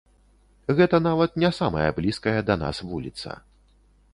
Гэта нават не самая блізкая да нас вуліца.